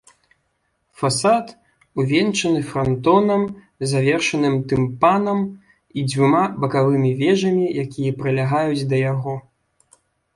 Фасад увянчаны франтонам, завершаным тымпанам і дзвюма бакавымі вежамі, якія прылягаюць да яго.